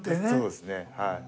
そうですね。